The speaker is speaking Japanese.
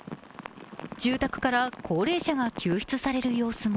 住宅から高齢者が救出される様子も。